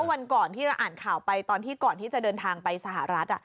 วันก่อนที่เราอ่านข่าวไปตอนที่ก่อนที่จะเดินทางไปสหรัฐ